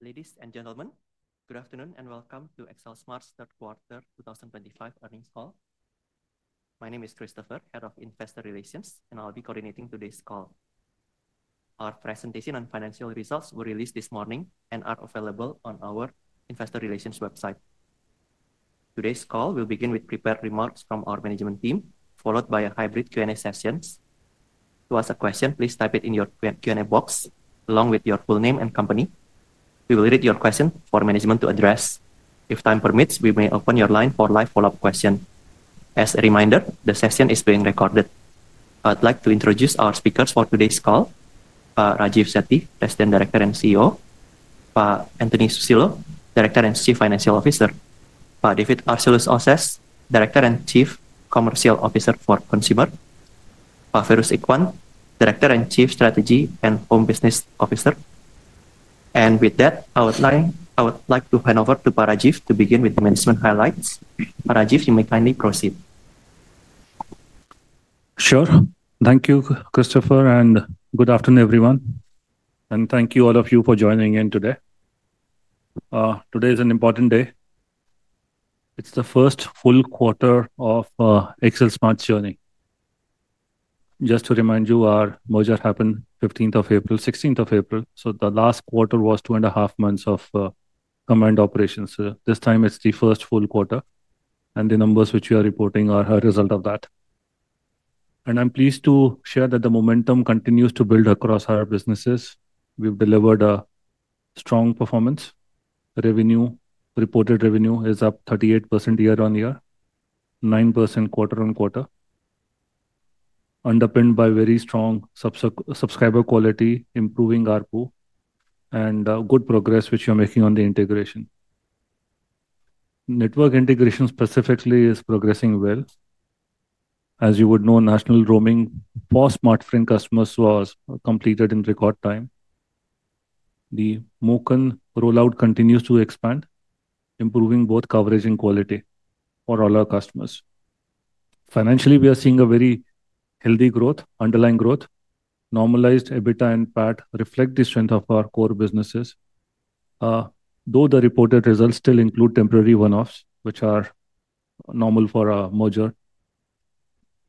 Ladies and gentlemen, good afternoon and welcome to XL Smart's third quarter 2025 earnings call. My name is Christopher, Head of Investor Relations, and I'll be coordinating today's call. Our presentation on financial results was released this morning and is available on our Investor Relations website. Today's call will begin with prepared remarks from our management team, followed by a hybrid Q&A session. To ask a question, please type it in your Q&A box along with your full name and company. We will read your question for management to address. If time permits, we may open your line for live follow-up questions. As a reminder, the session is being recorded. I'd like to introduce our speakers for today's call: Rajeev Sethi, President, Director, and CEO; Antony Susilo, Director and Chief Financial Officer; David Arcelus Oses, Director and Chief Commercial Officer for Consumer; Feiruz Ikhwan, Director and Chief Strategy and Home Business Officer. With that, I would like to hand over to Rajeev to begin with the management highlights. Rajeev, you may kindly proceed. Sure. Thank you, Christopher, and good afternoon, everyone. Thank you, all of you, for joining in today. Today is an important day. It's the first full quarter of XL Smart's journey. Just to remind you, our merger happened on the 15th of April, 16th of April, so the last quarter was two and a half months of combined operations. This time, it's the first full quarter, and the numbers which we are reporting are a result of that. I'm pleased to share that the momentum continues to build across our businesses. We've delivered a strong performance. Revenue, reported revenue, is up 38% year on year, 9% quarter on quarter, underpinned by very strong subscriber quality, improving ARPU, and good progress which we're making on the integration. Network integration specifically is progressing well. As you would know, national roaming for Smartfren customers was completed in record time. The MOCON rollout continues to expand, improving both coverage and quality for all our customers. Financially, we are seeing a very healthy growth, underlying growth. Normalized EBITDA and PAT reflect the strength of our core businesses, though the reported results still include temporary one-offs, which are normal for a merger,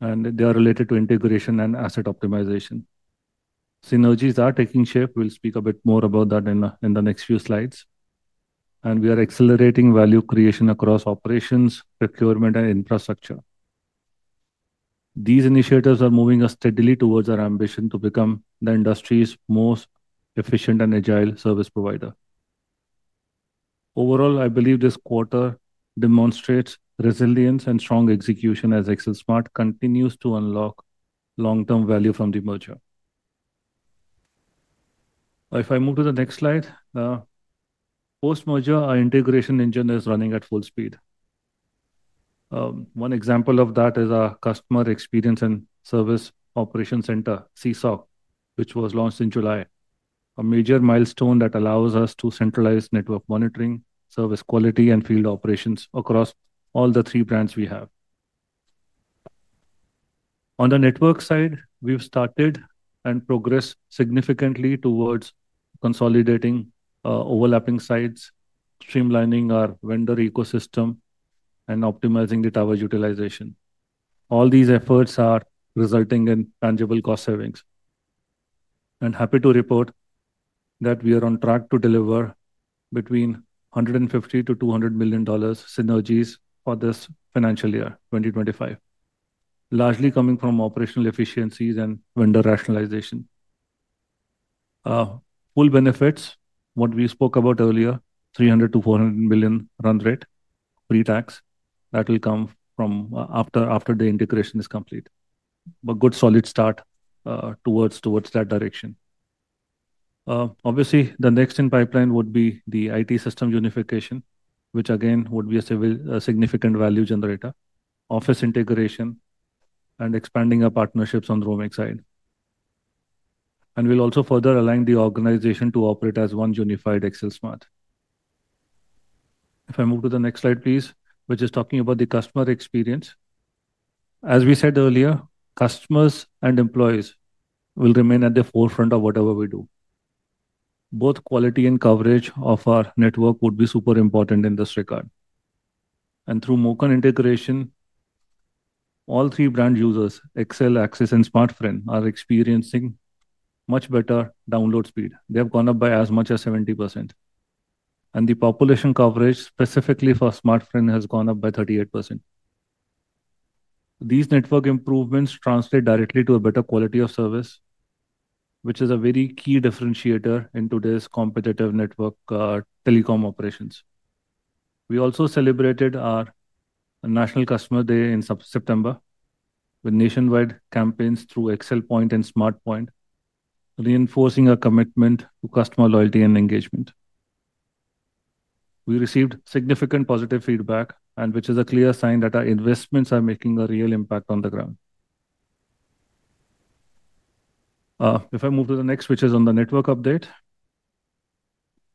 and they are related to integration and asset optimization. Synergies are taking shape. We will speak a bit more about that in the next few slides. We are accelerating value creation across operations, procurement, and infrastructure. These initiatives are moving us steadily towards our ambition to become the industry's most efficient and agile service provider. Overall, I believe this quarter demonstrates resilience and strong execution as XLSmart continues to unlock long-term value from the merger. If I move to the next slide, post-merger, our integration engine is running at full speed. One example of that is our Customer Experience and Service Operations Center, CSOC, which was launched in July, a major milestone that allows us to centralize network monitoring, service quality, and field operations across all the three brands we have. On the network side, we've started and progressed significantly towards consolidating overlapping sites, streamlining our vendor ecosystem, and optimizing the tower utilization. All these efforts are resulting in tangible cost savings. I am happy to report that we are on track to deliver between $150 to $200 million synergies for this financial year, 2025, largely coming from operational efficiencies and vendor rationalization. Full benefits, what we spoke about earlier, $300 to $400 million run rate, pre-tax, that will come after the integration is complete. Good solid start towards that direction. Obviously, the next in pipeline would be the IT system unification, which again would be a significant value generator, office integration, and expanding our partnerships on the roaming side. We'll also further align the organization to operate as one unified XL Smart. If I move to the next slide, please, which is talking about the customer experience. As we said earlier, customers and employees will remain at the forefront of whatever we do. Both quality and coverage of our network would be super important in this regard. Through MOCON integration, all three brand users, XL, Axis, and Smartfren, are experiencing much better download speed. They have gone up by as much as 70%. The population coverage specifically for Smartfren has gone up by 38%. These network improvements translate directly to a better quality of service, which is a very key differentiator in today's competitive network telecom operations. We also celebrated our National Customer Day in September with nationwide campaigns through XL Point and Smart Point, reinforcing our commitment to customer loyalty and engagement. We received significant positive feedback, which is a clear sign that our investments are making a real impact on the ground. If I move to the next, which is on the network update,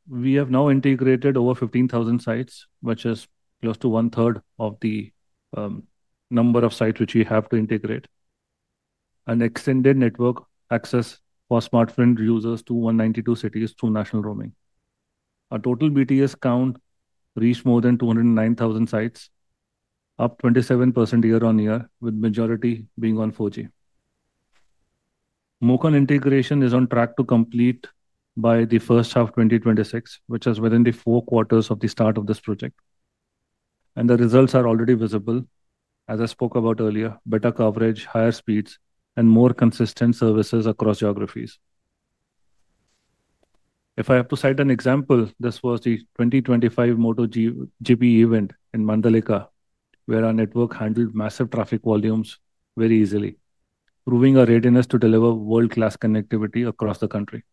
we have now integrated over 15,000 sites, which is close to one-third of the number of sites which we have to integrate, and extended network access for Smartfren users to 192 cities through national roaming. Our total BTS count reached more than 209,000 sites, up 27% year-on-year, with majority being on 4G. MOCON integration is on track to complete by the first half of 2026, which is within the four quarters of the start of this project. The results are already visible, as I spoke about earlier, better coverage, higher speeds, and more consistent services across geographies. If I have to cite an example, this was the 2025 MotoGP event in Mandalika, where our network handled massive traffic volumes very easily, proving our readiness to deliver world-class connectivity across the country.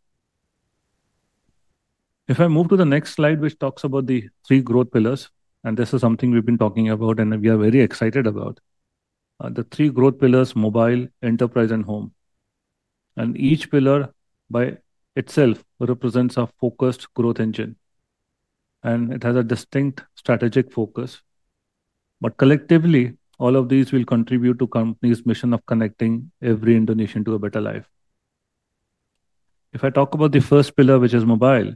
If I move to the next slide, which talks about the three growth pillars, this is something we've been talking about and we are very excited about, the three growth pillars: mobile, enterprise, and home. Each pillar by itself represents a focused growth engine, and it has a distinct strategic focus. Collectively, all of these will contribute to the company's mission of connecting every Indonesian to a better life. If I talk about the first pillar, which is mobile,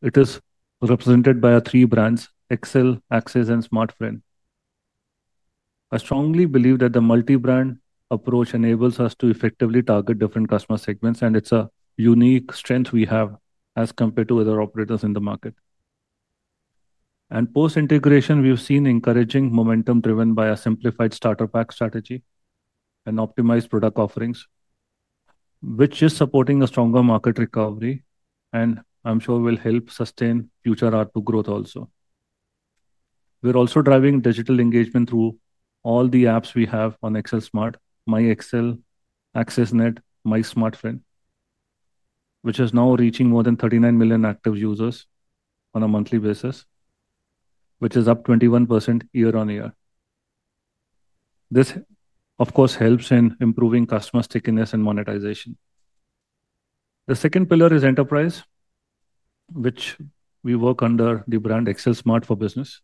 it is represented by our three brands: XL, Axis, and Smartfren. I strongly believe that the multi-brand approach enables us to effectively target different customer segments, and it's a unique strength we have as compared to other operators in the market. Post-integration, we've seen encouraging momentum driven by a simplified starter pack strategy and optimized product offerings, which is supporting a stronger market recovery and I'm sure will help sustain future ARPU growth also. We're also driving digital engagement through all the apps we have on XL Smart: MyXL, AxisNet, MySmartfren, which is now reaching more than 39 million active users on a monthly basis, which is up 21% year on year. This, of course, helps in improving customer stickiness and monetization. The second pillar is enterprise, which we work under the brand XL Smart for Business.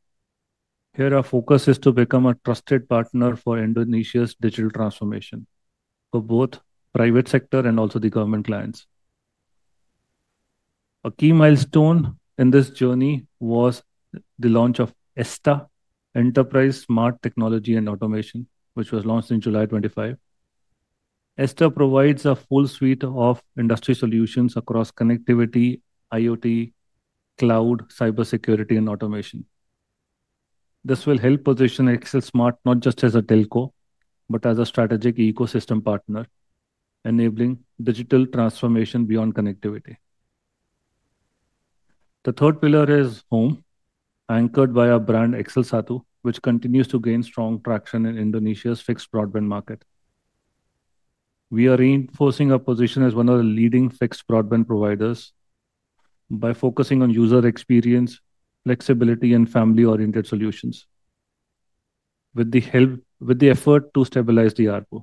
Here, our focus is to become a trusted partner for Indonesia's digital transformation for both the private sector and also the government clients. A key milestone in this journey was the launch of ESTA, Enterprise Smart Technology and Automation, which was launched in July 2025. ESTA provides a full suite of industry solutions across connectivity, IoT, cloud, cybersecurity, and automation. This will help position XL Smart not just as a telco, but as a strategic ecosystem partner, enabling digital transformation beyond connectivity. The third pillar is home, anchored by our brand XL Satu, which continues to gain strong traction in Indonesia's fixed broadband market. We are reinforcing our position as one of the leading fixed broadband providers by focusing on user experience, flexibility, and family-oriented solutions, with the effort to stabilize the ARPU.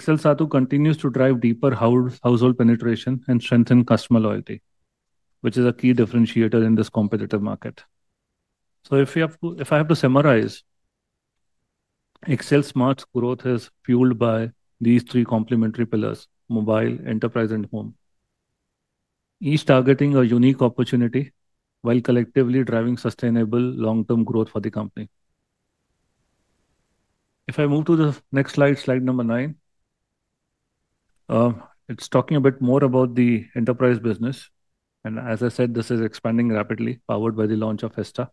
XL Satu continues to drive deeper household penetration and strengthen customer loyalty, which is a key differentiator in this competitive market. If I have to summarize, XL Smart's growth is fueled by these three complementary pillars: mobile, enterprise, and home, each targeting a unique opportunity while collectively driving sustainable long-term growth for the company. If I move to the next slide, slide number nine, it is talking a bit more about the enterprise business. As I said, this is expanding rapidly, powered by the launch of ESTA.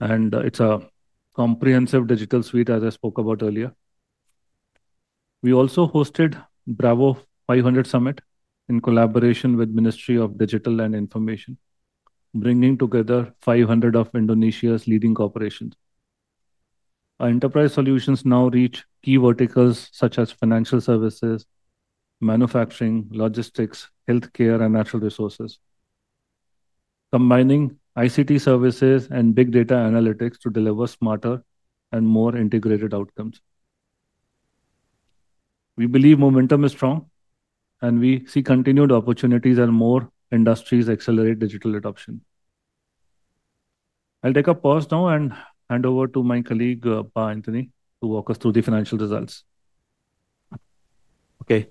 It is a comprehensive digital suite, as I spoke about earlier. We also hosted Bravo 500 Summit in collaboration with the Ministry of Digital and Information, bringing together 500 of Indonesia's leading corporations. Our enterprise solutions now reach key verticals such as financial services, manufacturing, logistics, healthcare, and natural resources, combining ICT services and big data analytics to deliver smarter and more integrated outcomes. We believe momentum is strong, and we see continued opportunities as more industries accelerate digital adoption. I'll take a pause now and hand over to my colleague, Pa Antony, to walk us through the financial results. Okay.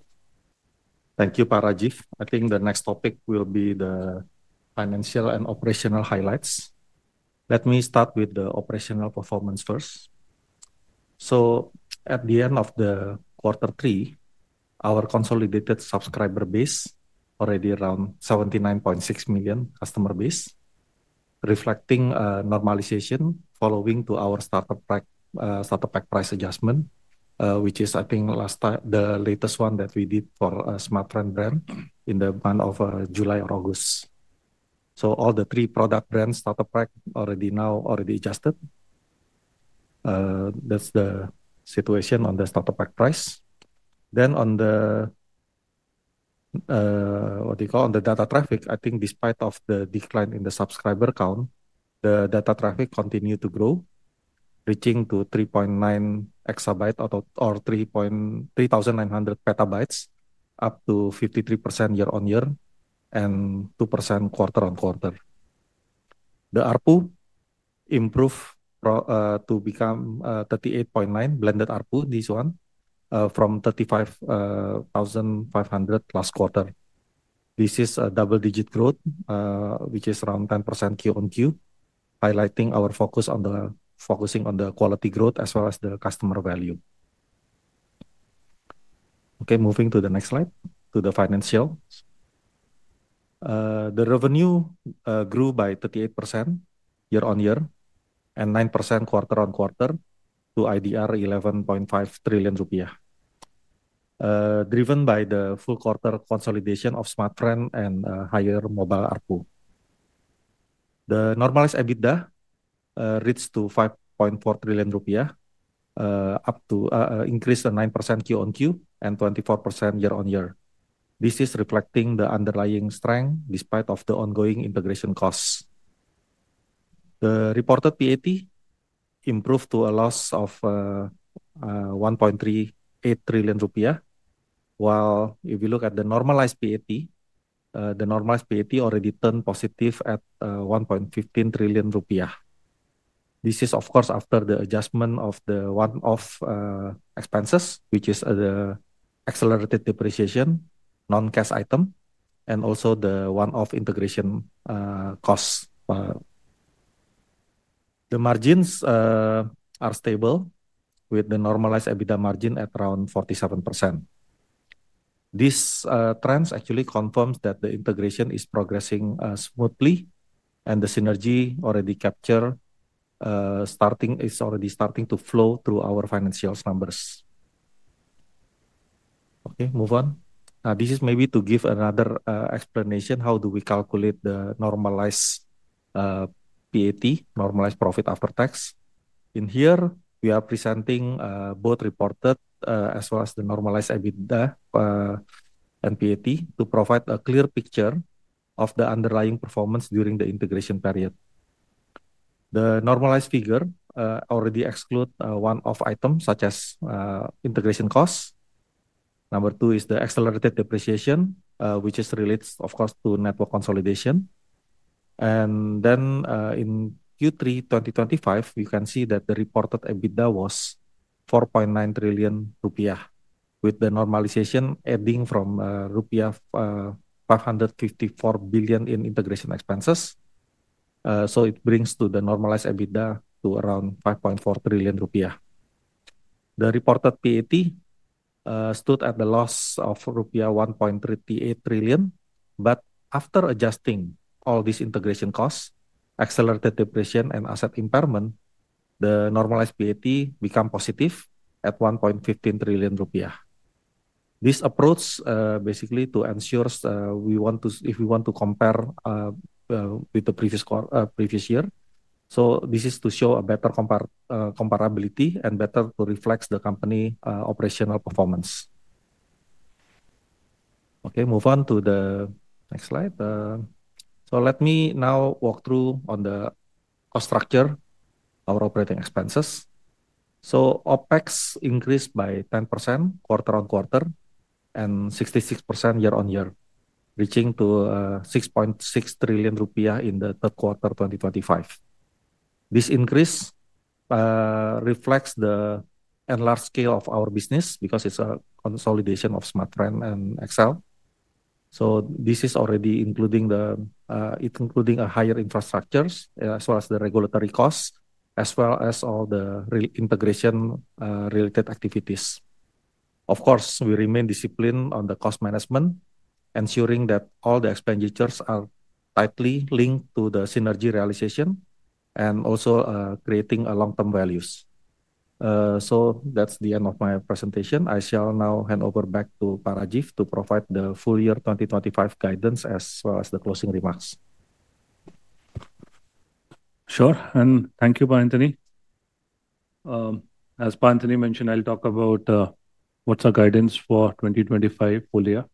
Thank you, Pa Rajeev. I think the next topic will be the financial and operational highlights. Let me start with the operational performance first. At the end of quarter three, our consolidated subscriber base is already around 79.6 million customer base, reflecting a normalization following our starter pack price adjustment, which is, I think, the latest one that we did for a Smartfren brand in the month of July or August. All the three product brands' starter packs are already now adjusted. That is the situation on the starter pack price. On the, what do you call, on the data traffic, I think despite the decline in the subscriber count, the data traffic continued to grow, reaching 3.9 exabytes or 3,900 petabytes, up 53% year-on-year and 2% quarter-on- quarter. The ARPU improved to become 38.9 blended ARPU, this one from 35,500 last quarter. This is a double-digit growth, which is around 10% quarter-on-quarter, highlighting our focus on the focusing on the quality growth as well as the customer value. Okay, moving to the next slide, to the financial. The revenue grew by 38% year-on-year and 9% quarter-on-quarter to 11.5 trillion rupiah, driven by the full quarter consolidation of Smartfren and higher mobile ARPU. The normalized EBITDA reached to 5.4 trillion, up to increased to 9% quarter-on-quarter and 24% year-on-year. This is reflecting the underlying strength despite the ongoing integration costs. The reported PAT improved to a loss of 1.38 trillion rupiah, while if you look at the normalized PAT, the normalized PAT already turned positive at 1.15 trillion rupiah. This is, of course, after the adjustment of the one-off expenses, which is the accelerated depreciation, non-cash item, and also the one-off integration cost. The margins are stable with the normalized EBITDA margin at around 47%. This trend actually confirms that the integration is progressing smoothly and the synergy already captured is already starting to flow through our financial numbers. Okay, move on. This is maybe to give another explanation how do we calculate the normalized PAT, normalized profit after tax. In here, we are presenting both reported as well as the normalized EBITDA and PAT to provide a clear picture of the underlying performance during the integration period. The normalized figure already excludes one-off items such as integration costs. Number two is the accelerated depreciation, which is related, of course, to network consolidation. Then in Q3 2025, you can see that the reported EBITDA was 4.9 trillion rupiah, with the normalization adding from rupiah 554 billion in integration expenses. It brings the normalized EBITDA to around 5.4 trillion rupiah. The reported PAT stood at the loss of rupiah 1.38 trillion, but after adjusting all these integration costs, accelerated depreciation, and asset impairment, the normalized PAT became positive at 1.15 trillion rupiah. This approach basically ensures we want to, if we want to compare with the previous year. This is to show a better comparability and better to reflect the company operational performance. Okay, move on to the next slide. Let me now walk through on the cost structure, our operating expenses. OpEx increased by 10% quarter-on-quarter and 66% year-on-year, reaching to 6.6 trillion rupiah in the third quarter 2025. This increase reflects the enlarged scale of our business because it's a consolidation of Smartfren and XL. This is already including the, including a higher infrastructure as well as the regulatory costs, as well as all the integration-related activities. Of course, we remain disciplined on the cost management, ensuring that all the expenditures are tightly linked to the synergy realization and also creating long-term values. That's the end of my presentation. I shall now hand over back to Pa Rajeev to provide the full year 2025 guidance as well as the closing remarks. Sure, and thank you, Pa Antony. As Pa Antony mentioned, I'll talk about what's our guidance for 2025 full year.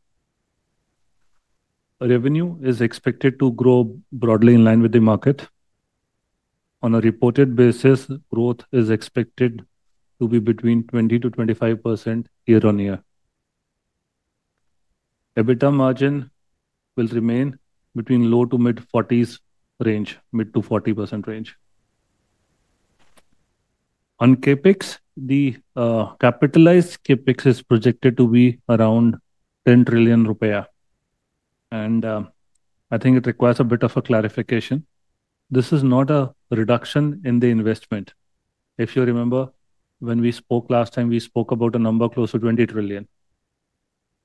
Revenue is expected to grow broadly in line with the market. On a reported basis, growth is expected to be between 20%-25 year-on-year. EBITDA margin will remain between low to mid 40% range, mid to 40% range. On CapEx, the capitalized CapEx is projected to be around 10 trillion rupiah, and I think it requires a bit of a clarification. This is not a reduction in the investment. If you remember, when we spoke last time, we spoke about a number close to 20 trillion.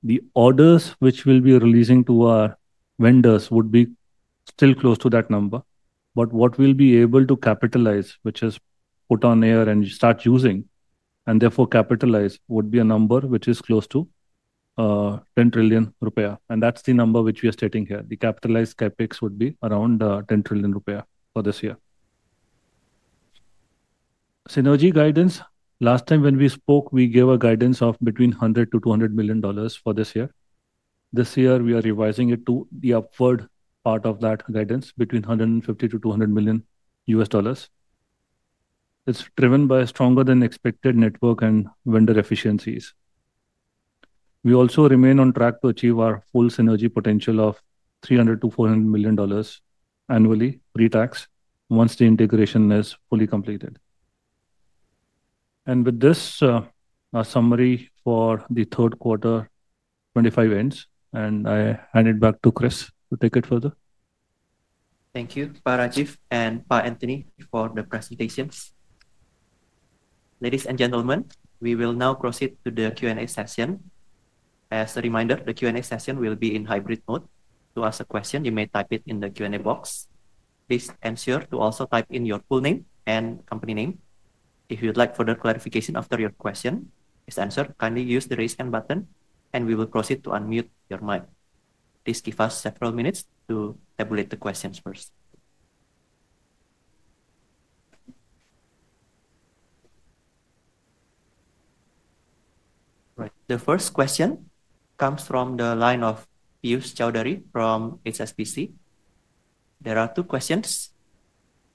The orders which we'll be releasing to our vendors would be still close to that number, but what we'll be able to capitalize, which is put on air and start using, and therefore capitalize, would be a number which is close to 10 trillion rupiah. And that's the number which we are stating here. The capitalized CapEx would be around 10 trillion rupiah for this year. Synergy guidance, last time when we spoke, we gave a guidance of between $100 million and $200 million for this year. This year, we are revising it to the upward part of that guidance, between $150 to $200 million. It's driven by stronger than expected network and vendor efficiencies. We also remain on track to achieve our full synergy potential of $300 to $400 million annually pre-tax once the integration is fully completed. With this, a summary for the third quarter 2025 ends, and I hand it back to Chris to take it further. Thank you, Pa Rajeev and Pa Antony, for the presentations. Ladies and gentlemen, we will now proceed to the Q&A session. As a reminder, the Q&A session will be in hybrid mode. To ask a question, you may type it in the Q&A box. Please ensure to also type in your full name and company name. If you'd like further clarification after your question, please answer, kindly use the raise hand button, and we will proceed to unmute your mic. Please give us several minutes to tabulate the questions first. Right, the first question comes from the line of Piyush Chowdhury from HSBC. There are two questions.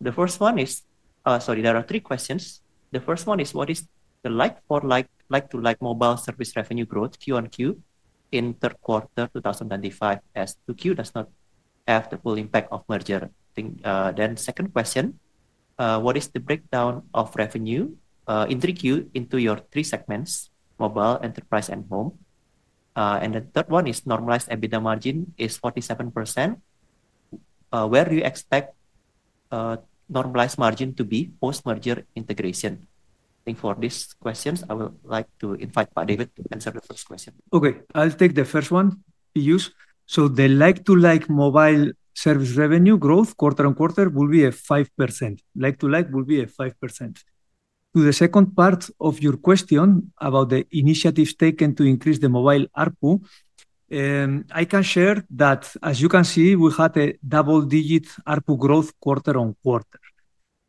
The first one is, sorry, there are three questions. The first one is, what is the like-for-like, like-to-like mobile service revenue growth quarter-on-quarter in third quarter 2025 as 2Q does not have the full impact of merger? Second question, what is the breakdown of revenue in 3Q into your three segments, mobile, enterprise, and home? The third one is, normalized EBITDA margin is 47%. Where do you expect normalized margin to be post-merger integration? I think for these questions, I would like to invite Pa David to answer the first question. Okay, I'll take the first one, Piyush. The like-to-like mobile service revenue growth quarter on quarter will be at 5%. Like-to-like will be at 5%. To the second part of your question about the initiatives taken to increase the mobile ARPU, I can share that, as you can see, we had a double-digit ARPU growth quarter on quarter.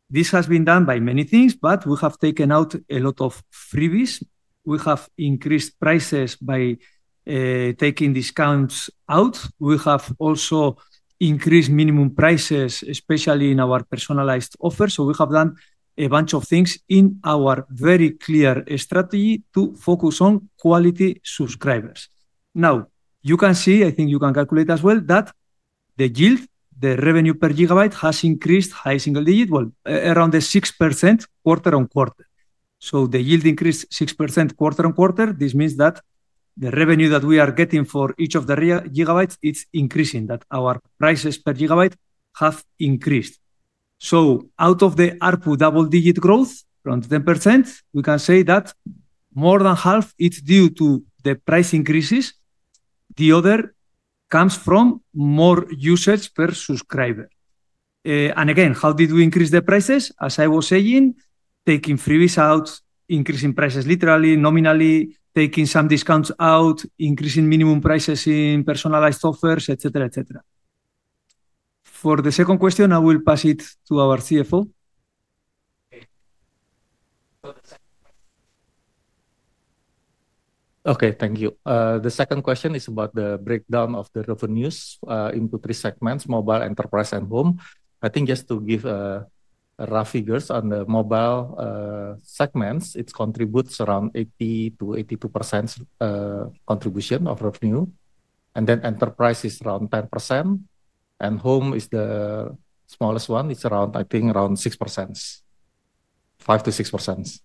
This has been done by many things, but we have taken out a lot of freebies. We have increased prices by taking discounts out. We have also increased minimum prices, especially in our personalized offers. We have done a bunch of things in our very clear strategy to focus on quality subscribers. You can see, I think you can calculate as well that the yield, the revenue per gigabyte, has increased high single digit, well, around 6% quarter-on-quarter. The yield increased 6% quarter-on-quarter. This means that the revenue that we are getting for each of the gigabytes, it's increasing, that our prices per gigabyte have increased. Out of the ARPU double-digit growth from 10%, we can say that more than half is due to the price increases. The other comes from more usage per subscriber. Again, how did we increase the prices? As I was saying, taking freebies out, increasing prices literally, nominally, taking some discounts out, increasing minimum prices in personalized offers, et cetera, et cetera. For the second question, I will pass it to our CFO. Okay, thank you. The second question is about the breakdown of the revenues into three segments, mobile, enterprise, and home. I think just to give rough figures on the mobile segments, it contributes around 80%-82 contribution of revenue. Then enterprise is around 10%, and home is the smallest one. It's around, I think, around 5%-6.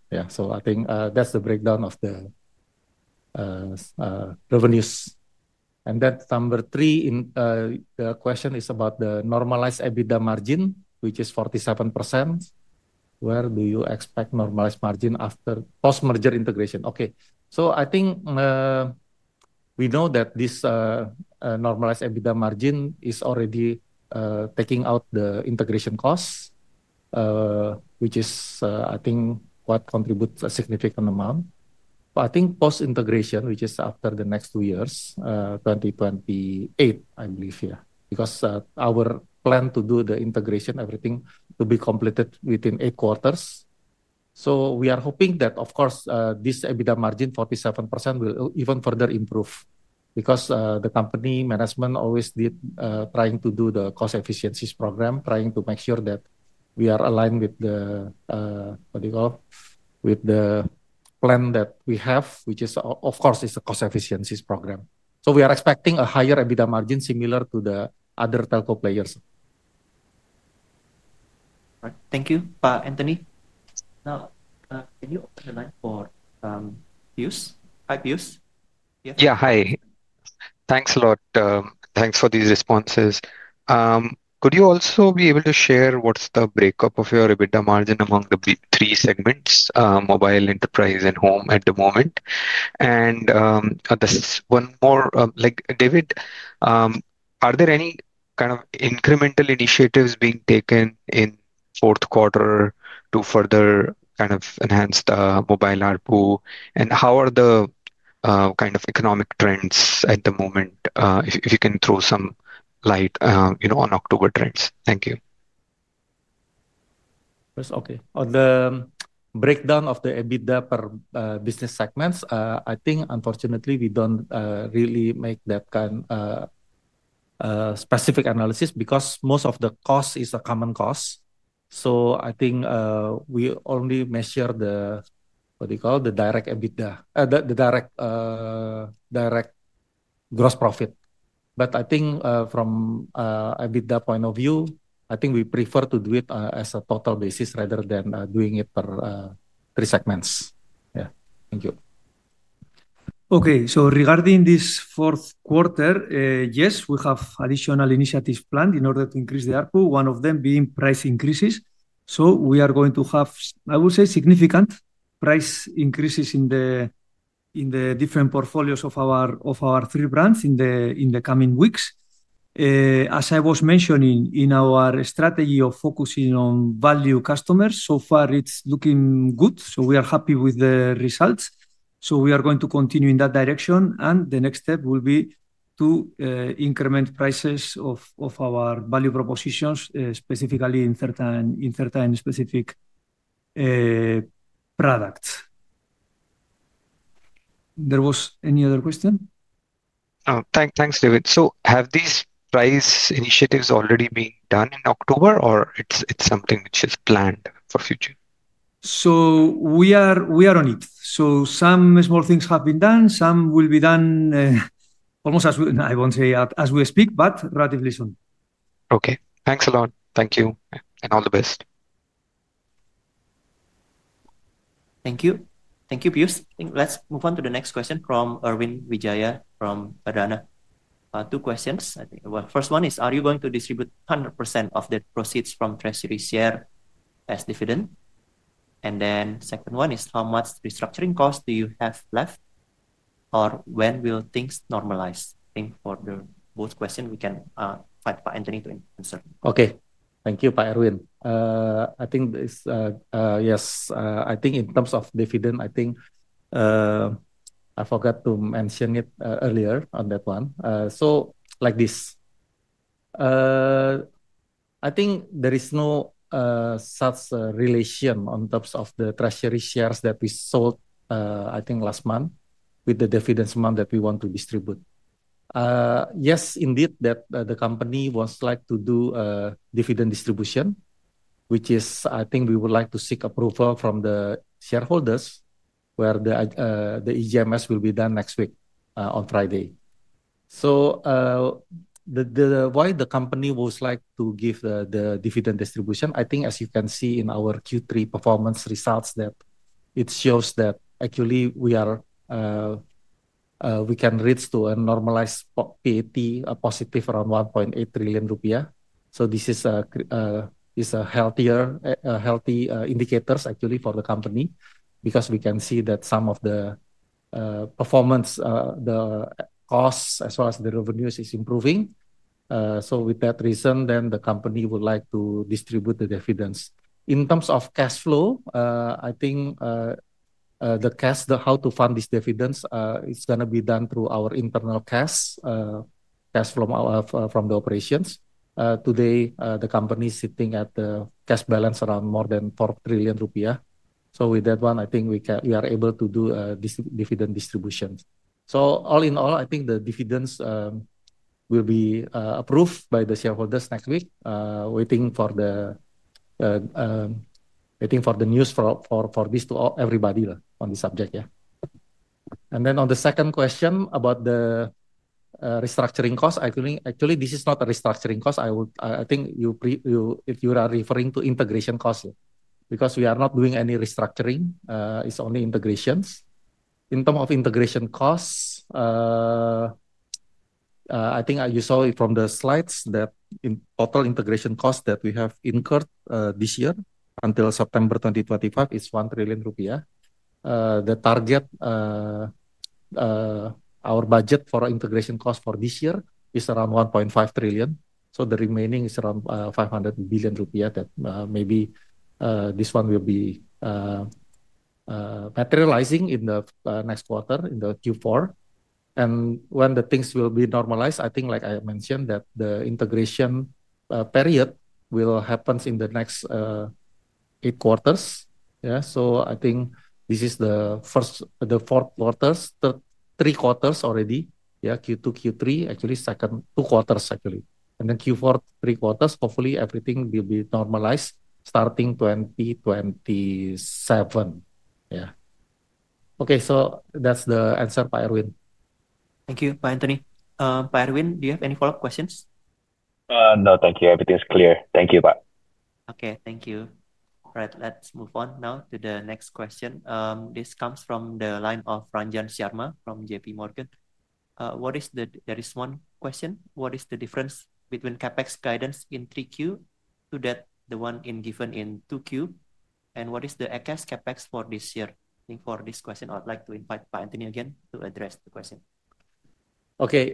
Yeah, I think that's the breakdown of the revenues. Number three in the question is about the normalized EBITDA margin, which is 47%. Where do you expect normalized margin after post-merger integration? Okay, I think we know that this normalized EBITDA margin is already taking out the integration costs, which is, I think, what contributes a significant amount. I think post-integration, which is after the next two years, 2028, I believe, yeah, because our plan to do the integration, everything to be completed within eight quarters. We are hoping that, of course, this EBITDA margin 47% will even further improve because the company management always did trying to do the cost efficiencies program, trying to make sure that we are aligned with the, what do you call, with the plan that we have, which is, of course, is a cost efficiencies program. We are expecting a higher EBITDA margin similar to the other telco players. Thank you, Pa Antony. Now, can you open the line for Piyush? Hi, Piyush. Yeah, hi. Thanks a lot. Thanks for these responses. Could you also be able to share what's the breakup of your EBITDA margin among the three segments, mobile, enterprise, and home at the moment? This is one more, like David, are there any kind of incremental initiatives being taken in fourth quarter to further kind of enhance the mobile ARPU? How are the kind of economic trends at the moment? If you can throw some light on October trends. Thank you. Okay, on the breakdown of the EBITDA per business segments, I think unfortunately we don't really make that kind of specific analysis because most of the cost is a common cost. I think we only measure the, what do you call, the direct EBITDA, the direct gross profit. I think from an EBITDA point of view, I think we prefer to do it as a total basis rather than doing it per three segments. Yeah, thank you. Okay, so regarding this fourth quarter, yes, we have additional initiatives planned in order to increase the ARPU, one of them being price increases. We are going to have, I would say, significant price increases in the different portfolios of our three brands in the coming weeks. As I was mentioning in our strategy of focusing on value customers, so far it's looking good. We are happy with the results. We are going to continue in that direction. The next step will be to increment prices of our value propositions, specifically in certain specific products. There was any other question? Oh, thanks, David. So have these price initiatives already been done in October, or it's something which is planned for future? We are on it. Some small things have been done. Some will be done almost, I will not say as we speak, but relatively soon. Okay, thanks a lot. Thank you and all the best. Thank you. Thank you, Piyush. Let's move on to the next question from Erwin Wijaya from Bharata. Two questions. The first one is, are you going to distribute 100% of the proceeds from Treasury share as dividend? The second one is, how much restructuring cost do you have left? Or when will things normalize? I think for both questions, we can invite Pa Antony to answer. Okay, thank you, Pa Erwin. I think this, yes, I think in terms of dividend, I think I forgot to mention it earlier on that one. Like this, I think there is no such relation on tops of the Treasury shares that we sold, I think last month with the dividends amount that we want to distribute. Yes, indeed, that the company wants to do a dividend distribution, which is, I think we would like to seek approval from the shareholders where the EGMS will be done next week on Friday. The company would like to give the dividend distribution, I think as you can see in our Q3 performance results that it shows that actually we can reach to a normalized PAT positive around 1.8 trillion rupiah. This is a healthy indicator actually for the company because we can see that some of the performance, the costs as well as the revenues, is improving. With that reason, the company would like to distribute the dividends. In terms of cash flow, I think the cash, how to fund this dividends, is going to be done through our internal cash flow from the operations. Today, the company is sitting at the cash balance around more than 4 trillion rupiah. With that one, I think we are able to do this dividend distribution. All in all, I think the dividends will be approved by the shareholders next week, waiting for the news for this to everybody on the subject. On the second question about the restructuring cost, actually this is not a restructuring cost. I think if you are referring to integration cost, because we are not doing any restructuring, it's only integrations. In terms of integration costs, I think you saw it from the slides that in total integration cost that we have incurred this year until September 2025 is 1 trillion rupiah. The target, our budget for integration cost for this year is around 1.5 trillion. The remaining is around 500 billion rupiah that maybe this one will be materializing in the next quarter in the Q4. When the things will be normalized, I think like I mentioned that the integration period will happen in the next eight quarters. Yeah, I think this is the fourth quarter, three quarters already, Q2, Q3, actually second two quarters actually. Q4, three quarters, hopefully everything will be normalized starting 2027. Yeah, okay, that's the answer, Pa Erwin. Thank you, Pa Antony. Pa Erwin, do you have any follow-up questions? No, thank you. Everything is clear. Thank you, Pa. Okay, thank you. All right, let's move on now to the next question. This comes from the line of Ranjan Sharma from JP Morgan. There is one question. What is the difference between CapEx guidance in 3Q to that the one given in 2Q? And what is the ACAS CapEx for this year? For this question, I'd like to invite Pa Antony again to address the question. Okay,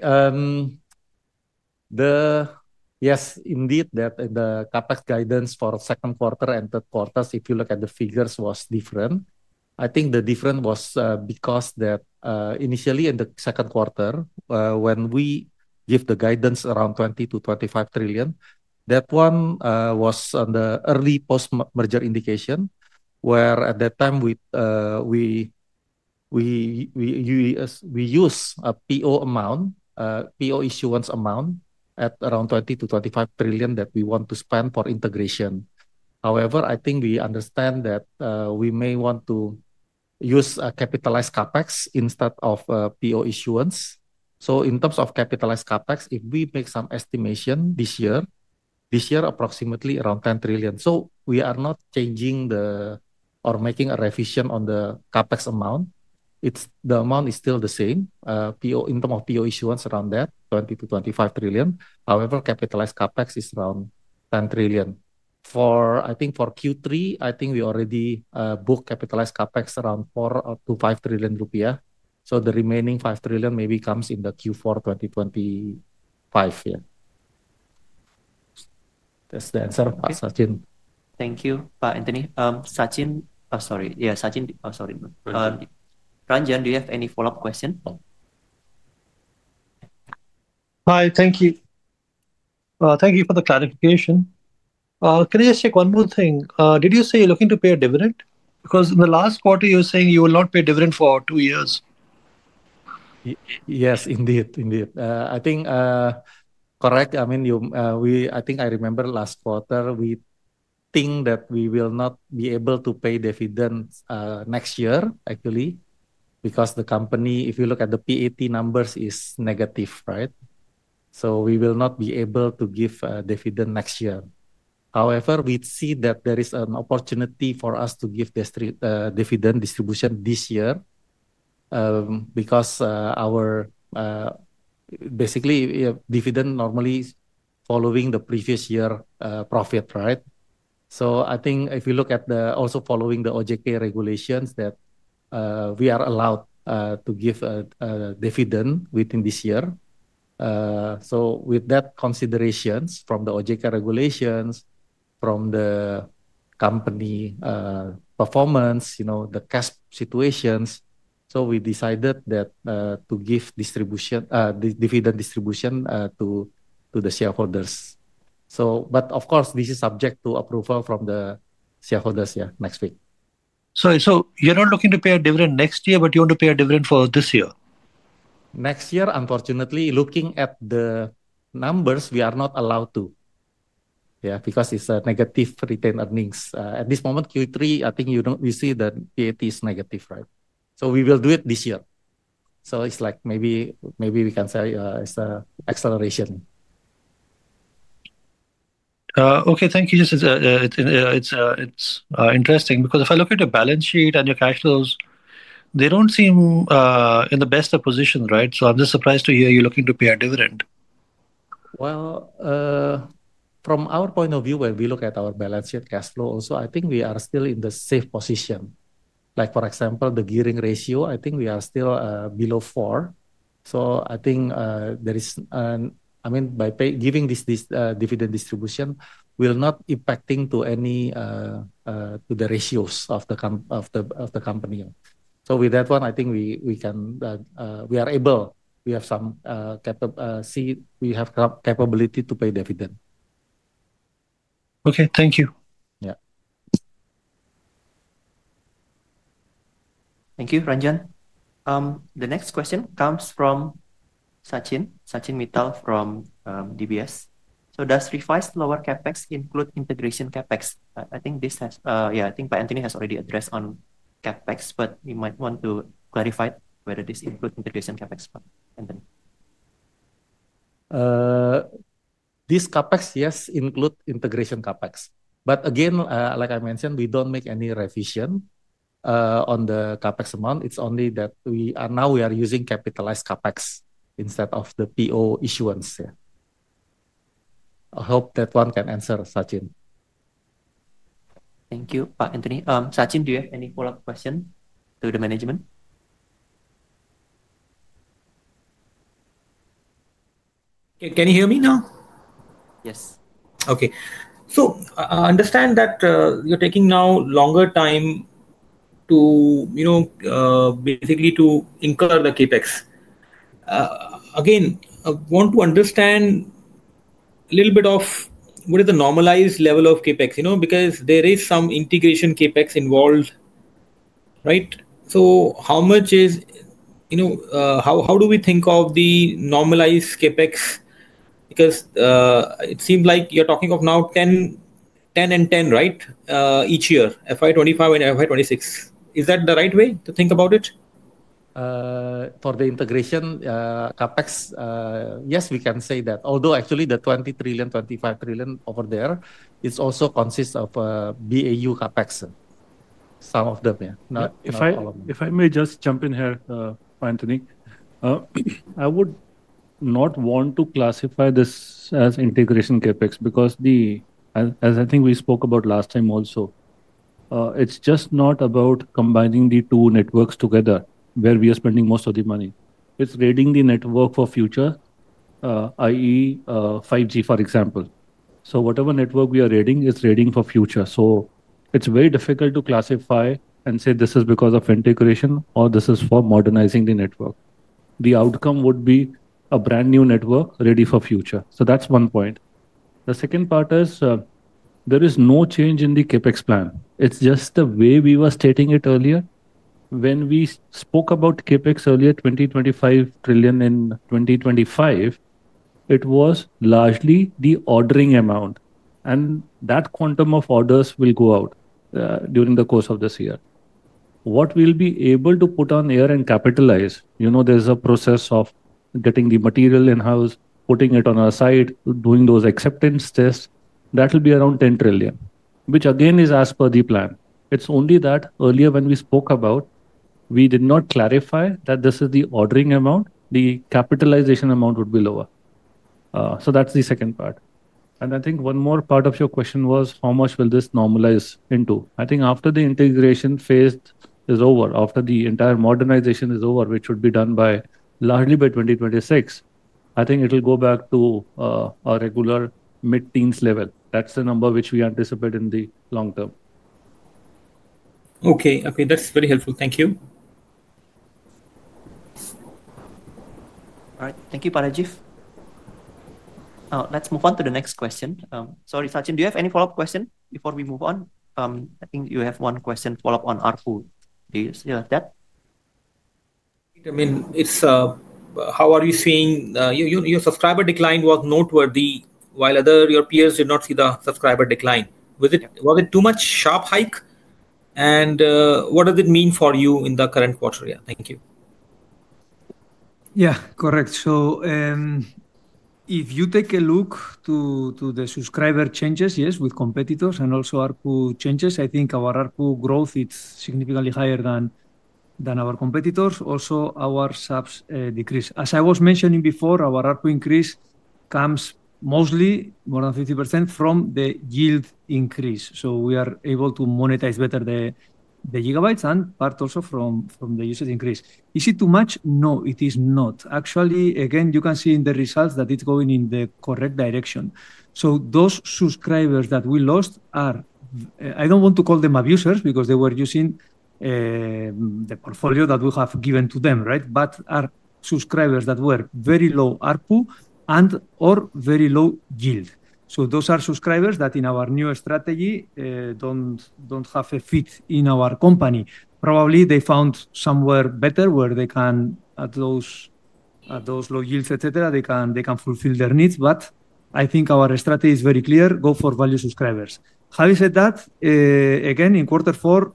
yes, indeed that the CapEx guidance for second quarter and third quarter, if you look at the figures, was different. I think the difference was because that initially in the second quarter, when we give the guidance around 20 to 25 trillion, that one was on the early post-merger indication where at that time we use a PO amount, PO issuance amount at around 20 trillion to 25 trillion that we want to spend for integration. However, I think we understand that we may want to use capitalized CapEx instead of PO issuance. In terms of capitalized CapEx, if we make some estimation this year, this year approximately around 10 trillion. We are not changing or making a revision on the CapEx amount. The amount is still the same, in terms of PO issuance around that 20 to 25 trillion. However, capitalized CapEx is around 10 trillion. I think for Q3, I think we already booked capitalized CapEx around 4 to 5 trillion. The remaining 5 trillion maybe comes in the Q4 2025. That's the answer, Pa Ranjan. Thank you, Pa Antony. Ranjan, do you have any follow-up question? Hi, thank you. Thank you for the clarification. Can I just check one more thing? Did you say you're looking to pay a dividend? Because in the last quarter, you were saying you will not pay dividend for two years. Yes, indeed, indeed. I think correct. I mean, I think I remember last quarter, we think that we will not be able to pay dividend next year actually because the company, if you look at the PAT numbers, is negative, right? We will not be able to give a dividend next year. However, we see that there is an opportunity for us to give dividend distribution this year because our basically dividend normally following the previous year profit, right? I think if you look at the also following the OJK regulations that we are allowed to give a dividend within this year. With that considerations from the OJK regulations, from the company performance, you know, the cash situations, we decided that to give dividend distribution to the shareholders. Of course, this is subject to approval from the shareholders next week. Sorry, so you're not looking to pay a dividend next year, but you want to pay a dividend for this year? Next year, unfortunately, looking at the numbers, we are not allowed to, yeah, because it's a negative retained earnings. At this moment, Q3, I think we see that PAT is negative, right? We will do it this year. It's like maybe we can say it's an acceleration. Okay, thank you. It's interesting because if I look at your balance sheet and your cash flows, they don't seem in the best position, right? I'm just surprised to hear you're looking to pay a dividend. From our point of view, when we look at our balance sheet cash flow also, I think we are still in the safe position. Like for example, the gearing ratio, I think we are still below 4. I think there is, I mean, by giving this dividend distribution will not impact to the ratios of the company. With that one, I think we are able, we have some capability to pay dividend. Okay, thank you. Thank you, Ranjan. The next question comes from Sachin, Sachin Mittal from DBS. Does revised lower CapEx include integration CapEx? I think this has, yeah, I think Pa Antony has already addressed on CapEx, but we might want to clarify whether this includes integration CapEx. This CapEx, yes, includes integration CapEx. Again, like I mentioned, we do not make any revision on the CapEx amount. It is only that now we are using capitalized CapEx instead of the PO issuance. I hope that one can answer, Sachin. Thank you, Pa Antony. Sachin, do you have any follow-up question to the management? Can you hear me now? Yes. Okay. So I understand that you're taking now longer time to basically to incur the CapEx. Again, I want to understand a little bit of what is the normalized level of CapEx, you know, because there is some integration CapEx involved, right? So how much is, how do we think of the normalized CapEx? Because it seems like you're talking of now 10 and 10, right, each year, FY 2025 and FY 2026. Is that the right way to think about it? For the integration CapEx, yes, we can say that. Although actually the 20 to 25 trillion over there, it also consists of BAU CapEx, some of them. If I may just jump in here, Pa Antony, I would not want to classify this as integration CapEx because as I think we spoke about last time also, it's just not about combining the two networks together where we are spending most of the money. It's rating the network for future, i.e., 5G, for example. So whatever network we are rating is rating for future. It's very difficult to classify and say this is because of integration or this is for modernizing the network. The outcome would be a brand new network ready for future. That's one point. The second part is there is no change in the CapEx plan. It's just the way we were stating it earlier. When we spoke about CapEx earlier, 20 to 25 trillion in 2025, it was largely the ordering amount. That quantum of orders will go out during the course of this year. What we'll be able to put on air and capitalize, you know, there's a process of getting the material in-house, putting it on our side, doing those acceptance tests, that will be around 10 trillion, which again is as per the plan. It's only that earlier when we spoke about it, we did not clarify that this is the ordering amount, the capitalization amount would be lower. That's the second part. I think one more part of your question was how much will this normalize into? I think after the integration phase is over, after the entire modernization is over, which should be done by largely by 2026, I think it'll go back to a regular mid-teens level. That's the number which we anticipate in the long term. Okay, okay, that's very helpful. Thank you. All right, thank you, Pa Rajeev. Let's move on to the next question. Sorry, Sachin, do you have any follow-up question before we move on? I think you have one question follow-up on ARPU. Do you like that? I mean, how are you seeing your subscriber decline was noteworthy while your peers did not see the subscriber decline? Was it too much sharp hike? What does it mean for you in the current quarter? Yeah, thank you. Yeah, correct. If you take a look to the subscriber changes, yes, with competitors and also ARPU changes, I think our ARPU growth is significantly higher than our competitors. Also, our SAPs decrease. As I was mentioning before, our ARPU increase comes mostly, more than 50%, from the yield increase. We are able to monetize better the gigabytes and part also from the usage increase. Is it too much? No, it is not. Actually, again, you can see in the results that it is going in the correct direction. Those subscribers that we lost are, I do not want to call them abusers because they were using the portfolio that we have given to them, right? They are subscribers that were very low ARPU and/or very low yield. Those are subscribers that in our new strategy do not have a fit in our company. Probably they found somewhere better where they can at those low yields, etc., they can fulfill their needs. I think our strategy is very clear, go for value subscribers. Having said that, again, in quarter four,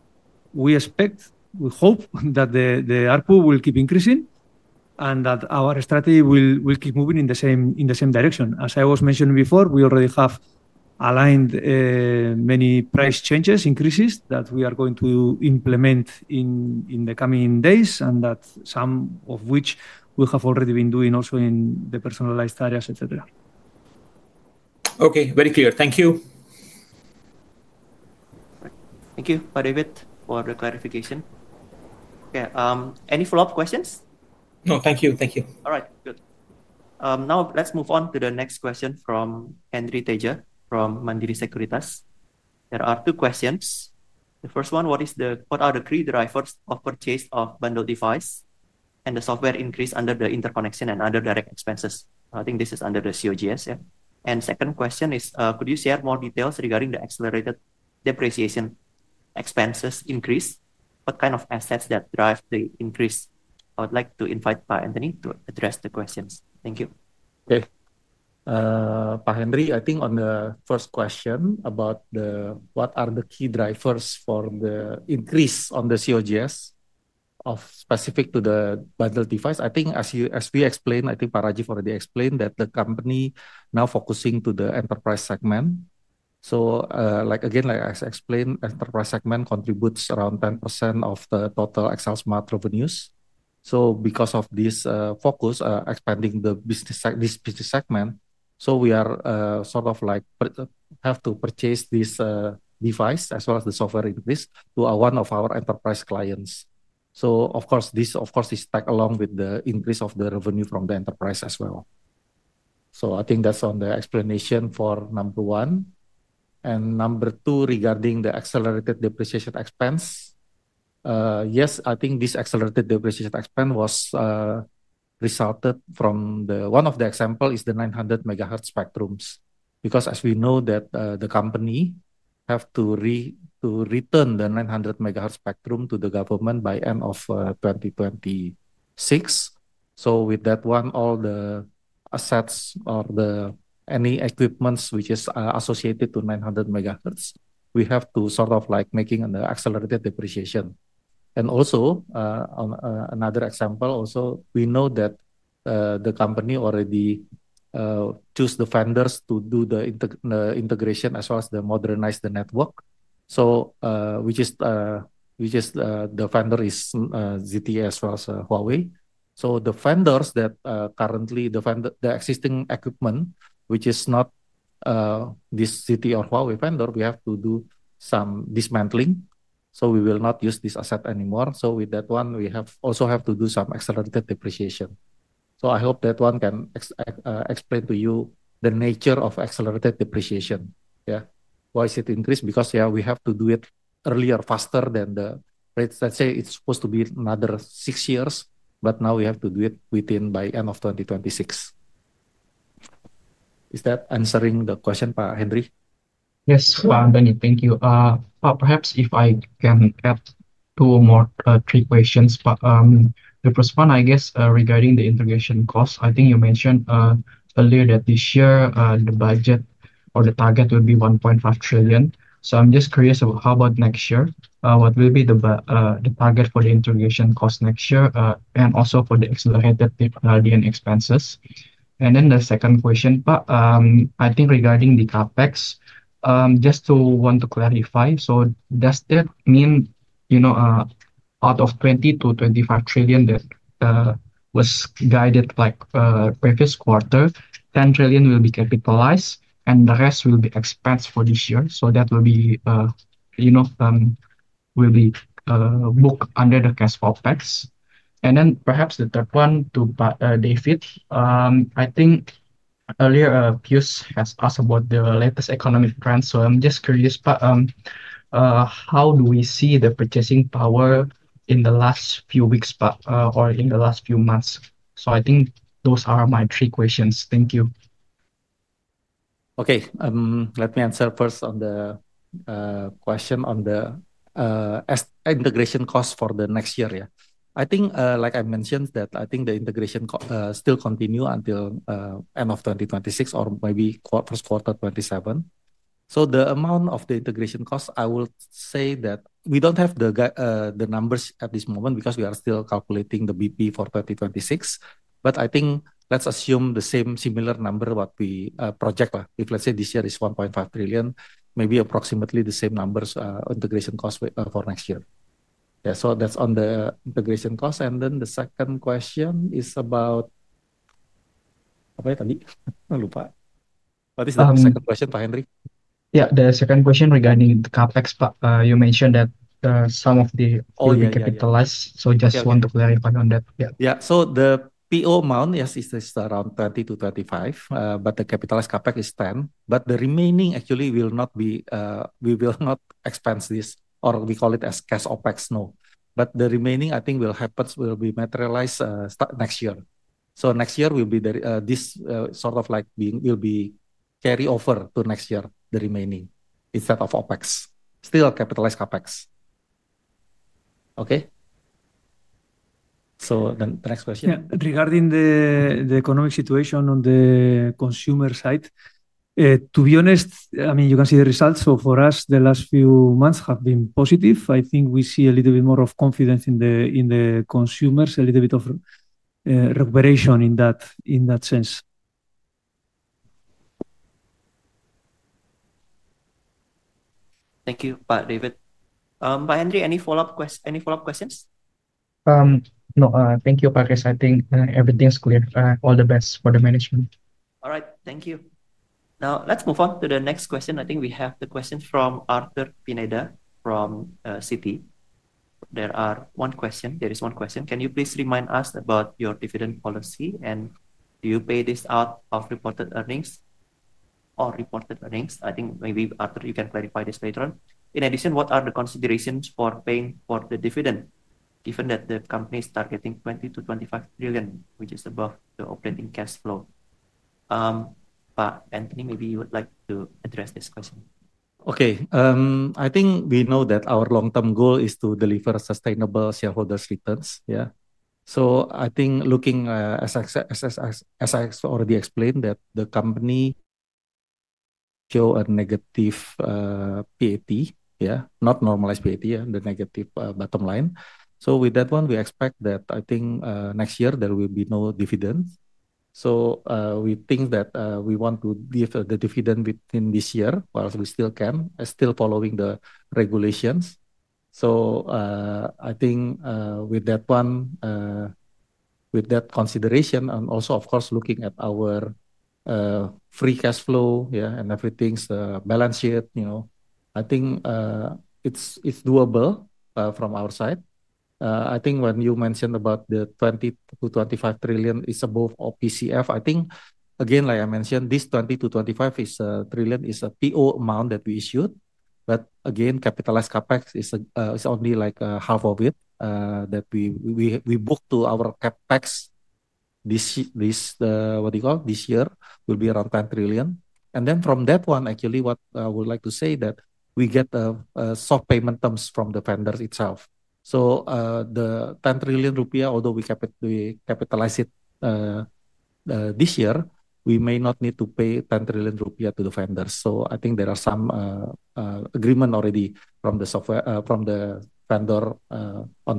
we expect, we hope that the ARPU will keep increasing and that our strategy will keep moving in the same direction. As I was mentioning before, we already have aligned many price changes, increases that we are going to implement in the coming days and that some of which we have already been doing also in the personalized areas, etc. Okay, very clear. Thank you. Thank you, Pa David, for the clarification. Okay, any follow-up questions? No, thank you. Thank you. All right, good. Now let's move on to the next question from Henry Tedja from Mandiri Sekuritas. There are two questions. The first one, what are the three drivers of purchase of bundled device and the software increase under the interconnection and other direct expenses? I think this is under the COGS, yeah. The second question is, could you share more details regarding the accelerated depreciation expenses increase? What kind of assets that drive the increase? I would like to invite Pa Antony to address the questions. Thank you. Okay, Pa Henry, I think on the first question about what are the key drivers for the increase on the COGS specific to the bundled device? I think as we explained, I think Pa Rajeev already explained that the company now focusing to the enterprise segment. Again, like I explained, enterprise segment contributes around 10% of the total XL Smart revenues. Because of this focus, expanding this business segment, we are sort of like have to purchase this device as well as the software increase to one of our enterprise clients. Of course, this is tagged along with the increase of the revenue from the enterprise as well. I think that's on the explanation for number one. Number two regarding the accelerated depreciation expense. Yes, I think this accelerated depreciation expense was resulted from one of the examples is the 900 megahertz spectrums because as we know that the company have to return the 900 megahertz spectrum to the government by end of 2026. With that one, all the assets or any equipment which is associated to 900 megahertz, we have to sort of like making an accelerated depreciation. Another example, also we know that the company already chose the vendors to do the integration as well as modernize the network, which is the vendor is ZTE as well as Huawei. The vendors that currently the existing equipment, which is not this ZTE or Huawei vendor, we have to do some dismantling. We will not use this asset anymore. With that one, we also have to do some accelerated depreciation. I hope that one can explain to you the nature of accelerated depreciation, yeah? Why is it increased? Because, yeah, we have to do it earlier, faster than the rate. Let's say it is supposed to be another six years, but now we have to do it by end of 2026. Is that answering the question, Pa Henry? Yes, Pa Antony, thank you. Perhaps if I can add two or maybe three questions. The first one, I guess regarding the integration cost, I think you mentioned earlier that this year the budget or the target will be 1.5 trillion. I'm just curious, how about next year? What will be the target for the integration cost next year and also for the accelerated expenses? The second question, Pa, I think regarding the CapEx, just to clarify, does that mean out of 20 to 25 trillion that was guided like previous quarter, 10 trillion will be capitalized and the rest will be expensed for this year? That will be booked under the CASPAL PACS. Perhaps the third one to David, I think earlier Piyush has asked about the latest economic trends. I'm just curious, Pa, how do we see the purchasing power in the last few weeks, Pa, or in the last few months? I think those are my three questions. Thank you. Okay, let me answer first on the question on the integration cost for the next year, yeah. I think like I mentioned that I think the integration still continues until end of 2026 or maybe first quarter 2027. So the amount of the integration cost, I will say that we do not have the numbers at this moment because we are still calculating the BP for 2026. I think let's assume the same similar number what we project. If let's say this year is 1.5 trillion, maybe approximately the same numbers integration cost for next year. Yeah, so that's on the integration cost. The second question is about, what was it? What is the second question, Pa Henry? Yeah, the second question regarding the CapEx, Pa, you mentioned that some of the all capitalized. All will be capitalized. Just want to clarify on that. Yeah, so the PO amount, yes, it's around 30 to 35, but the capitalized CapEx is 10. The remaining actually will not be, we will not expense this or we call it as CapEx, no. The remaining I think will happen, will be materialized next year. Next year will be this sort of like will be carry over to next year, the remaining instead of OpEx, still capitalized CapEx. Okay, the next question. Yeah, regarding the economic situation on the consumer side, to be honest, I mean, you can see the results. For us, the last few months have been positive. I think we see a little bit more of confidence in the consumers, a little bit of recuperation in that sense. Thank you, Pa David. Pa Henry, any follow-up questions? No, thank you, Pa Chris. I think everything is clear. All the best for the management. All right, thank you. Now let's move on to the next question. I think we have the question from Arthur Pineda from Citi. There is one question. Can you please remind us about your dividend policy and do you pay this out of reported earnings or reported earnings? I think maybe Arthur, you can clarify this later on. In addition, what are the considerations for paying for the dividend given that the company is targeting 20 to 25 trillion, which is above the operating cash flow? Pa Antony, maybe you would like to address this question. Okay, I think we know that our long-term goal is to deliver sustainable shareholders' returns, yeah. I think looking, as I already explained, that the company shows a negative PAT, yeah, not normalized PAT, yeah, the negative bottom line. With that one, we expect that I think next year there will be no dividend. We think that we want to give the dividend within this year whilst we still can, still following the regulations. I think with that one, with that consideration and also, of course, looking at our free cash flow, yeah, and everything, balance sheet, you know, I think it's doable from our side. I think when you mentioned about the 20 to 25 trillion is above OCF, I think again, like I mentioned, this 20 to 25 trillion is a PO amount that we issued. Again, capitalized CapEx is only like half of it that we booked to our CapEx. This year will be around 10 trillion. From that one, actually, what I would like to say is that we get soft payment terms from the vendors itself. The 10 trillion rupiah, although we capitalize it this year, we may not need to pay 10 trillion rupiah to the vendors. I think there is some agreement already from the vendor on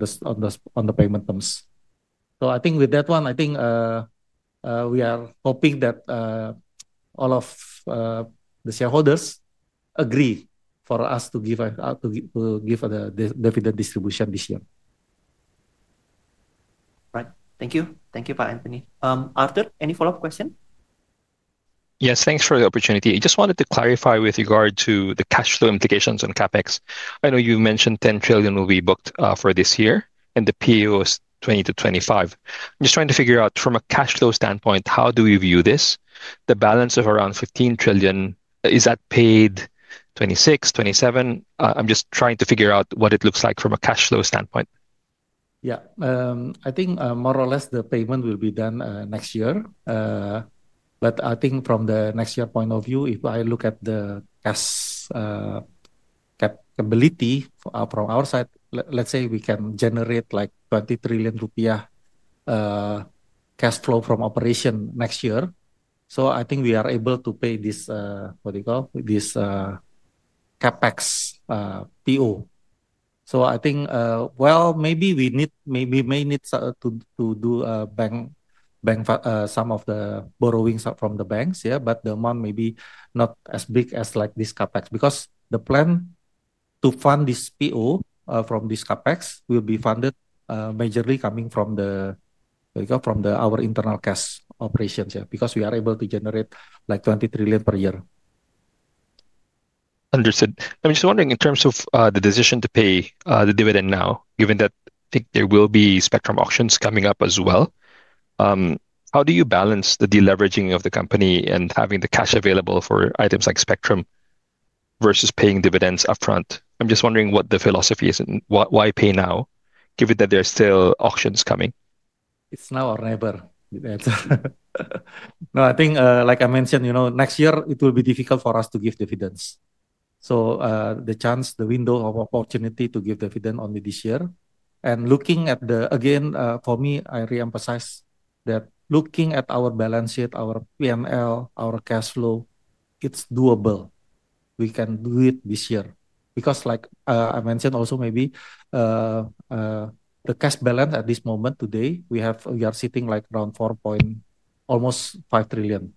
the payment terms. With that one, I think we are hoping that all of the shareholders agree for us to give the dividend distribution this year. Right, thank you. Thank you, Pa Antony. Arthur, any follow-up question? Yes, thanks for the opportunity. I just wanted to clarify with regard to the cash flow implications on CapEx. I know you mentioned 10 trillion will be booked for this year and the CapEx is 20-25 trillion. I'm just trying to figure out from a cash flow standpoint, how do we view this? The balance of around 15 trillion, is that paid 2026, 2027? I'm just trying to figure out what it looks like from a cash flow standpoint. Yeah, I think more or less the payment will be done next year. I think from the next year point of view, if I look at the capability from our side, let's say we can generate like 20 trillion rupiah cash flow from operation next year. I think we are able to pay this, what do you call, this CapEx PO. I think maybe we may need to do some of the borrowings from the banks, yeah, but the amount may be not as big as like this CapEx because the plan to fund this PO from this CapEx will be funded majorly coming from our internal cash operations, yeah, because we are able to generate like 20 trillion per year. Understood. I'm just wondering in terms of the decision to pay the dividend now, given that I think there will be spectrum auctions coming up as well. How do you balance the deleveraging of the company and having the cash available for items like spectrum versus paying dividends upfront? I'm just wondering what the philosophy is and why pay now, given that there are still auctions coming. It's now or never. No, I think like I mentioned, you know, next year it will be difficult for us to give dividends. The chance, the window of opportunity to give dividend only this year. Looking at the, again, for me, I reemphasize that looking at our balance sheet, our P&L, our cash flow, it's doable. We can do it this year because like I mentioned also maybe the cash balance at this moment today, we are sitting like around 4 trillion, almost 5 trillion.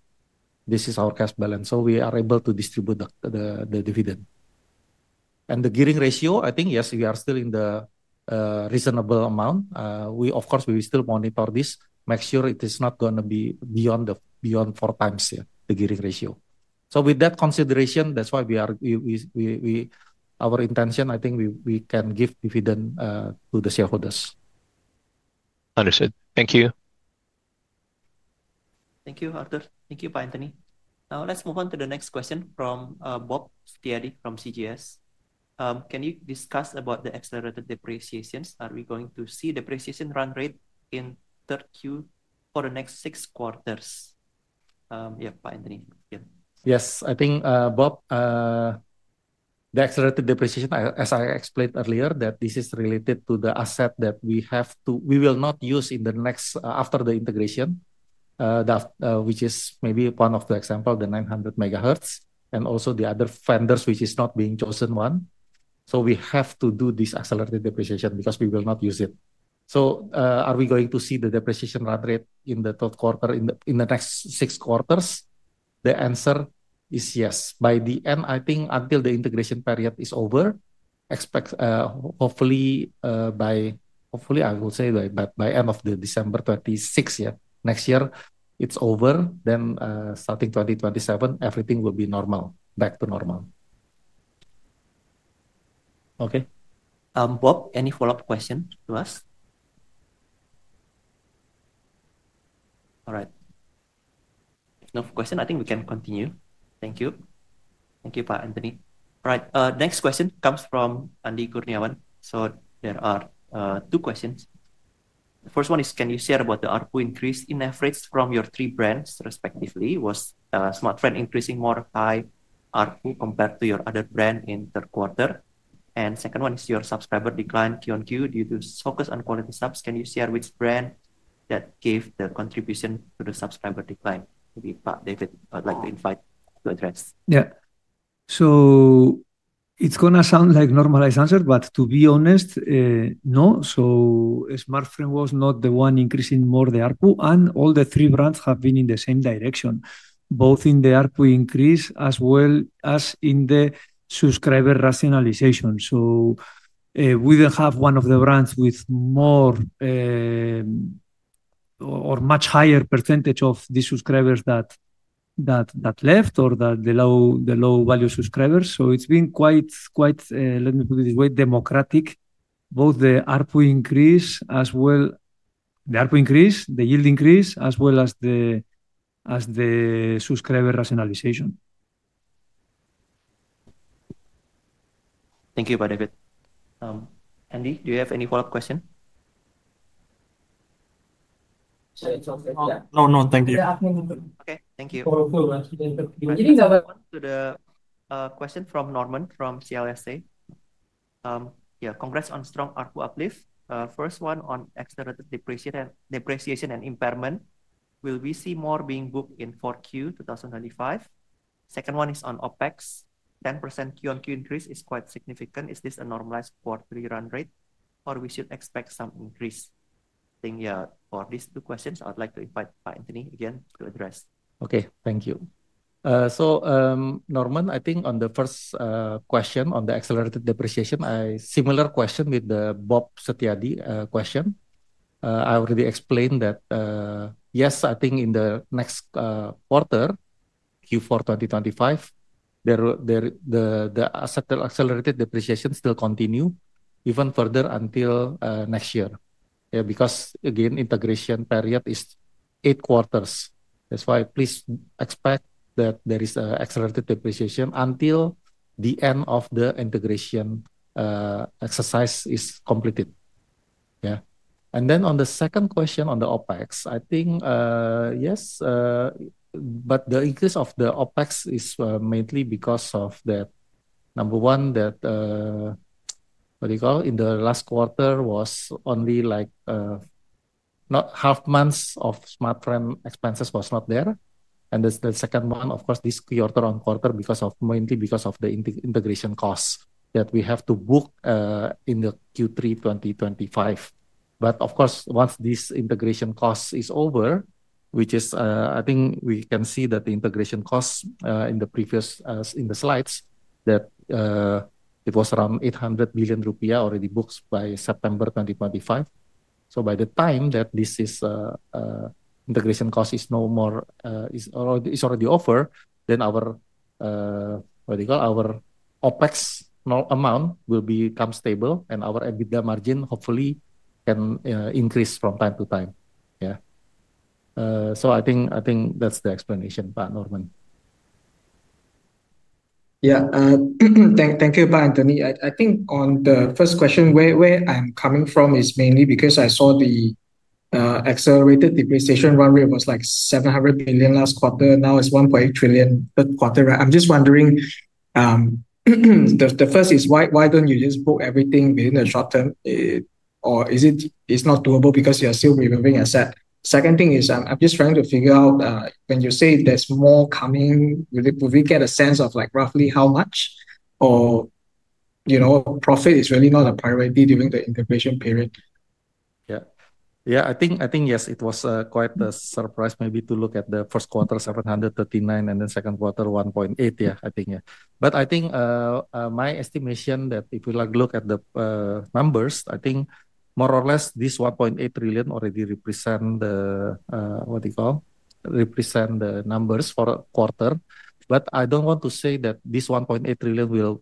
This is our cash balance. We are able to distribute the dividend. The gearing ratio, I think yes, we are still in the reasonable amount. We, of course, we still monitor this, make sure it is not going to be beyond 4 trillion, the gearing ratio. With that consideration, that's why our intention, I think we can give dividend to the shareholders. Understood. Thank you. Thank you, Arthur. Thank you, Pa Antony. Now let's move on to the next question from Bob Setiadi from CGS. Can you discuss about the accelerated depreciations? Are we going to see depreciation run rate in third Q for the next six quarters? Yeah, Pa Antony. Yes, I think Bob, the accelerated depreciation, as I explained earlier, that this is related to the asset that we have to, we will not use in the next after the integration, which is maybe one of the examples, the 900 megahertz and also the other vendors, which is not being chosen one. We have to do this accelerated depreciation because we will not use it. Are we going to see the depreciation run rate in the third quarter, in the next six quarters? The answer is yes. By the end, I think until the integration period is over, expect hopefully by, hopefully I will say by the end of December 2026, yeah, next year it's over, then starting 2027, everything will be normal, back to normal. Okay, Bob, any follow-up question to us? All right. No question. I think we can continue. Thank you. Thank you, Pa Antony. All right, next question comes from Andy Kurniawan. So there are two questions. The first one is, can you share about the ARPU increase in average from your three brands respectively? Was Smartfren increasing more high ARPU compared to your other brand in third quarter? And second one is your subscriber decline Q1Q due to focus on quality subs. Can you share which brand that gave the contribution to the subscriber decline? Maybe Pa David would like to invite to address. Yeah, so it's going to sound like normalized answer, but to be honest, no. Smartfren was not the one increasing more the ARPU, and all the three brands have been in the same direction, both in the ARPU increase as well as in the subscriber rationalization. We didn't have one of the brands with more or much higher percentage of the subscribers that left or the low value subscribers. It's been quite, let me put it this way, democratic, both the ARPU increase, the yield increase as well as the subscriber rationalization. Thank you, Pa David. Andy, do you have any follow-up question? Moving over to the question from Norman from CLSA. Yeah, congrats on strong ARPU uplift. First one on accelerated depreciation and impairment. Will we see more being booked in Q4 2025? Second one is on OpEx, 10% Q1Q increase is quite significant. Is this a normalized quarterly run rate or we should expect some increase? I think, yeah, for these two questions, I'd like to invite Pa Antony again to address. Okay, thank you. Norman, I think on the first question on the accelerated depreciation, similar question with the Bob Setiadi question. I already explained that yes, I think in the next quarter, Q4 2025, the accelerated depreciation still continues even further until next year. Yeah, because again, integration period is eight quarters. That's why please expect that there is an accelerated depreciation until the end of the integration exercise is completed. Yeah, and then on the second question on the OpEx, I think yes, but the increase of the OpEx is mainly because of that. Number one, what do you call, in the last quarter was only like not half months of Smartfren expenses was not there. The second one, of course, this quarter on quarter mainly because of the integration costs that we have to book in Q3 2025. Of course, once this integration cost is over, which is I think we can see that the integration cost in the previous slides was around 800 billion rupiah already booked by September 2025. By the time that this integration cost is no more, is already over, then our, what do you call, our OpEx amount will become stable and our EBITDA margin hopefully can increase from time to time. Yeah, I think that's the explanation, Pa Norman. Yeah, thank you, Pa Antony. I think on the first question, where I'm coming from is mainly because I saw the accelerated depreciation run rate was like 700 million last quarter, now it's 1.8 trillion third quarter, right? I'm just wondering, the first is why don't you just book everything within the short term or is it not doable because you are still removing asset? Second thing is I'm just trying to figure out when you say there's more coming, will we get a sense of like roughly how much or profit is really not a priority during the integration period? Yeah, yeah, I think yes, it was quite a surprise maybe to look at the first quarter 739 billion and then second quarter 1.8 trillion, yeah, I think, yeah. I think my estimation that if you look at the numbers, I think more or less this 1.8 trillion already represents the, what do you call, represents the numbers for a quarter. I do not want to say that this 1.8 trillion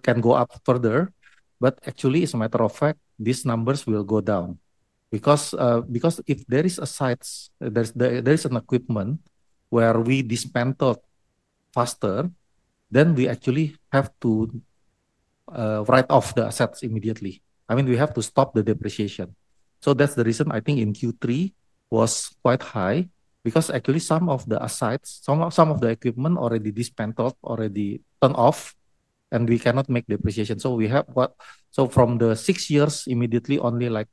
can go up further, but actually as a matter of fact, these numbers will go down because if there is a site, there is equipment where we dismantle faster, then we actually have to write off the assets immediately. I mean, we have to stop the depreciation. That is the reason I think in Q3 it was quite high because actually some of the sites, some of the equipment already dismantled, already turned off, and we cannot make depreciation. We have what, from the six years, immediately only like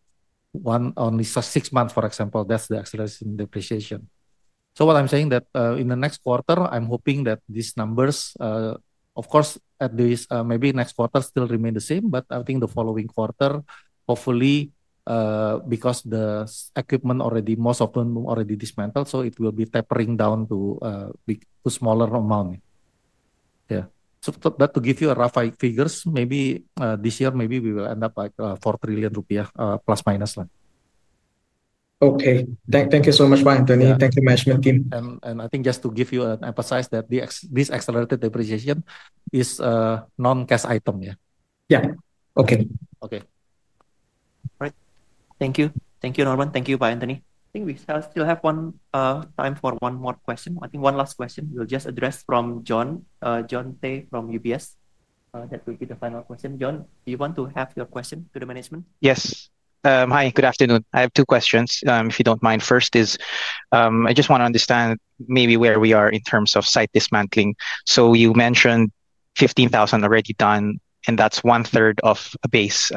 one, only six months, for example, that's the acceleration depreciation. What I'm saying is that in the next quarter, I'm hoping that these numbers, of course, at least maybe next quarter still remain the same, but I think the following quarter, hopefully because the equipment already, most of them already dismantled, it will be tapering down to a smaller amount. Yeah, to give you rough figures, maybe this year maybe we will end up like 4 trillion±. Okay, thank you so much, Pa Antony. Thank you, management team. I think just to give you an emphasize that this accelerated depreciation is non-cash item, yeah? All right, thank you. Thank you, Norman. Thank you, Pa Antony. I think we still have time for one more question. I think one last question we'll just address from John, John Tay from UBS. That will be the final question. John, do you want to have your question to the management? Yes. Hi, good afternoon. I have two questions if you don't mind. First is I just want to understand maybe where we are in terms of site dismantling. So you mentioned 15,000 already done and that's one third of a base.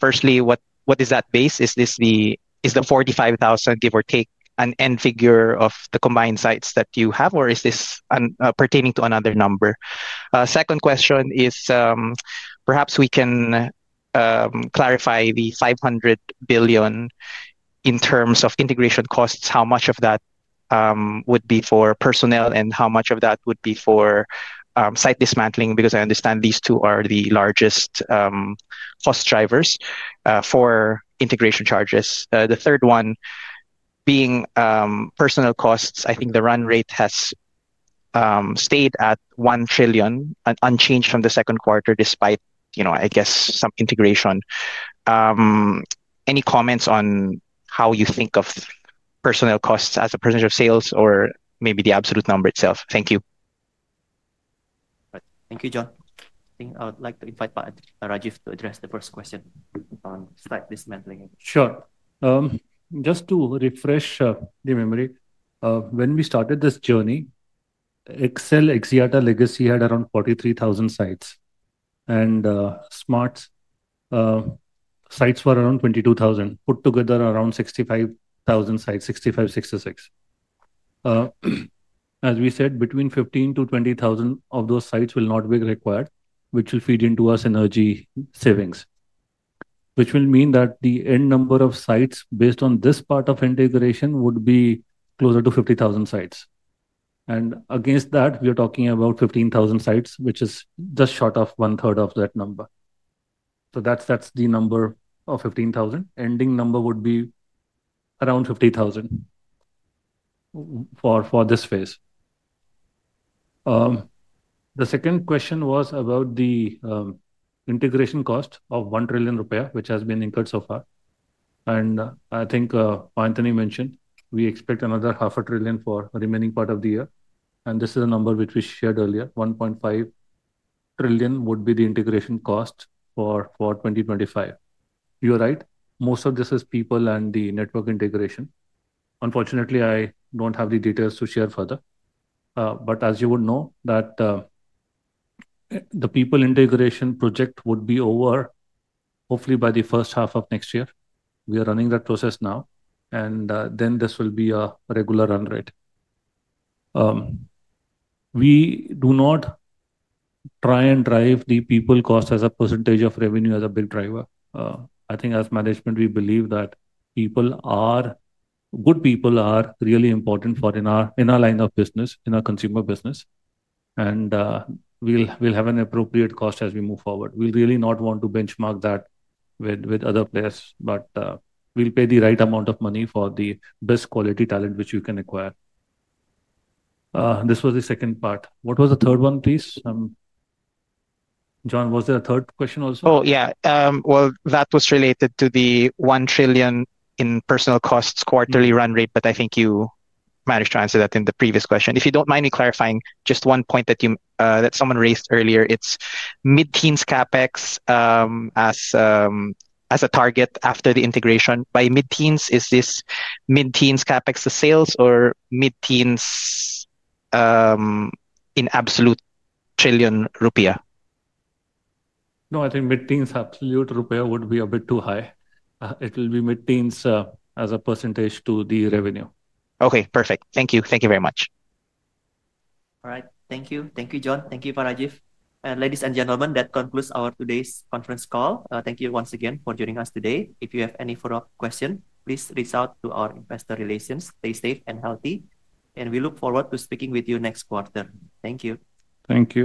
Firstly, what is that base? Is the 45,000, give or take, an end figure of the combined sites that you have or is this pertaining to another number? Second question is perhaps we can clarify the 500 billion in terms of integration costs, how much of that would be for personnel and how much of that would be for site dismantling because I understand these two are the largest cost drivers for integration charges. The third one being personnel costs, I think the run rate has stayed at 1 trillion unchanged from the second quarter despite, you know, I guess some integration. Any comments on how you think of personal costs as a percentage of sales or maybe the absolute number itself? Thank you. Thank you, John. I think I would like to invite Pa Rajeev to address the first question on site dismantling. Sure. Just to refresh the memory, when we started this journey, XL Axiata legacy had around 43,000 sites and Smartfren sites were around 22,000, put together around 65,000 sites, 65, 66. As we said, between 15,000-20,000 of those sites will not be required, which will feed into our synergy savings, which will mean that the end number of sites based on this part of integration would be closer to 50,000 sites. Against that, we are talking about 15,000 sites, which is just short of one third of that number. That is the number of 15,000. Ending number would be around 50,000 for this phase. The second question was about the integration cost of 1 trillion rupiah, which has been incurred so far. I think Pa Antony mentioned we expect another half a trillion for the remaining part of the year. This is a number which we shared earlier. 1.5 trillion would be the integration cost for 2025. You're right. Most of this is people and the network integration. Unfortunately, I don't have the details to share further. As you would know, the people integration project would be over hopefully by the first half of next year. We are running that process now, and then this will be a regular run rate. We do not try and drive the people cost as a percentage of revenue as a big driver. I think as management, we believe that people are, good people are really important for in our line of business, in our consumer business. We'll have an appropriate cost as we move forward. We'll really not want to benchmark that with other players, but we'll pay the right amount of money for the best quality talent which we can acquire. This was the second part. What was the third one, please? John, was there a third question also? Oh, yeah. That was related to the 1 trillion in personnel costs quarterly run rate, but I think you managed to answer that in the previous question. If you do not mind me clarifying just one point that someone raised earlier, it is mid-teens CapEx as a target after the integration. By mid-teens, is this mid-teens CapEx to sales or mid-teens in absolute trillion rupiah? No, I think mid-teens absolute rupiah would be a bit too high. It will be mid-teens as a percentage to the revenue. Okay, perfect. Thank you. Thank you very much. All right. Thank you. Thank you, John. Thank you, Pa Rajeev. Ladies and gentlemen, that concludes our today's conference call. Thank you once again for joining us today. If you have any follow-up question, please reach out to our investor relations. Stay safe and healthy, and we look forward to speaking with you next quarter. Thank you. Thank you.